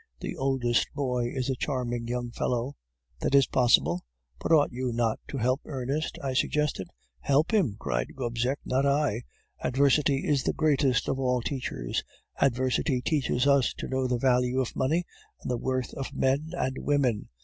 The oldest boy is a charming young fellow ' "'That is possible.' "'But ought you not to help Ernest?' I suggested. "'Help him!' cried Gobseck. 'Not I. Adversity is the greatest of all teachers; adversity teaches us to know the value of money and the worth of men and women.